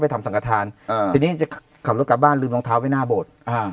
ทำสังกรรทานทีนี้จะขับรถกลับบ้านลืมรองเท้าไปหน้าโบสถ์